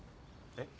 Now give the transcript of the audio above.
えっ？